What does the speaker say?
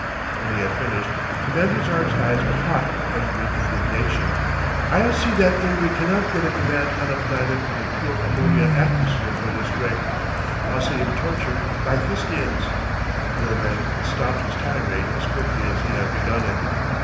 When he had finished, Commander Zark's eyes were hot with angry indignation. "I'll see that Imry cannot get a command on a planet with a pure ammonia atmosphere for this trick! I'll see him tortured by Thistians!" The old man stopped his tirade as quickly as he had begun it.